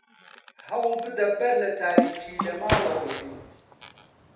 هەوڵ بدە بەر لە تاریکی لە ماڵەوە بیت.